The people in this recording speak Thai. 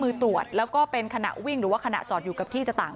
ตรวจแล้วก็เป็นขณะวิ่งหรือว่าขณะจอดอยู่กับที่จะต่าง